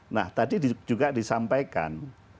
nah tadi juga disampaikan